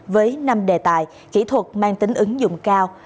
với năm đề tài kỹ thuật mang tính ứng dụng cao